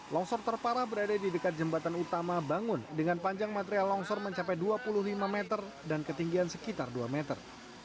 longsor terparah berada di dekat jembatan utama bangun dengan panjang material longsor mencapai dua puluh lima meter dan ketinggian sekitar dua meter